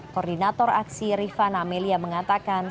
koordinator aksi rifana amelia mengatakan